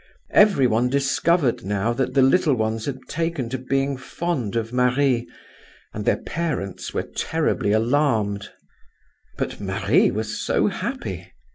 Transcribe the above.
Everyone discovered now that the little ones had taken to being fond of Marie, and their parents were terribly alarmed; but Marie was so happy.